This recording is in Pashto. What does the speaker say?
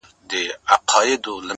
سم پسرلى ترې جوړ سي”